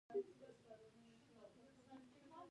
فاریاب د افغانستان د جغرافیې بېلګه ده.